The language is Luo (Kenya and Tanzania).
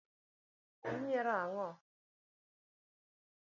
Inyiero ang’o?